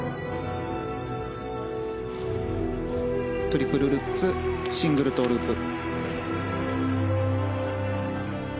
トリプルルッツシングルトウループ。